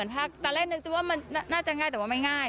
แต่เล่นนึกว่าน่าจะง่ายแต่ว่าไม่ง่าย